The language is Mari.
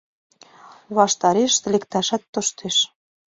Ваштарешышт лекташат тоштеш?